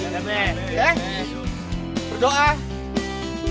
ya kan men